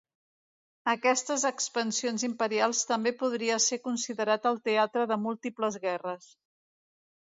Aquestes expansions imperials també podria ser considerat el teatre de múltiples guerres.